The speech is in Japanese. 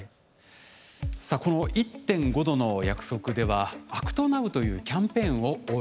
さあこの「１．５℃の約束」では「ＡＣＴＮＯＷ」というキャンペーンを応援しています。